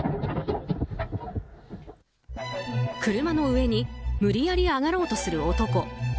車の上に無理やり上がろうとする男。